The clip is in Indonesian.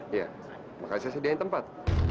iya makanya saya sediain tempat